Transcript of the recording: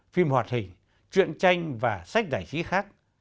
phim hoạt hình chuyện tranh và sách giải trí khác